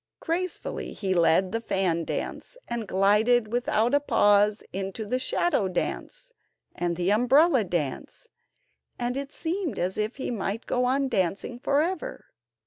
Gracefully he led the fan dance, and glided without a pause into the shadow dance and the umbrella dance, and it seemed as if he might go on dancing for ever.